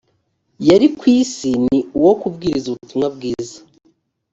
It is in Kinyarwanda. yari ku isi ni uwo kubwiriza ubutumwa bwiza